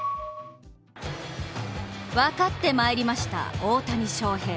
分かってまいりました、大谷翔平。